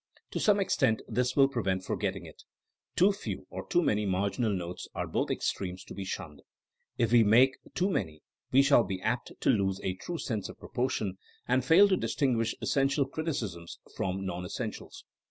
To some extent this will prevent forgetting it. Too few or too many marginal notes are both extremes to be shunned. If we make too many we shall be apt to lose a true sense of proportion and fail to distinguish essential criticisms from nonessentials.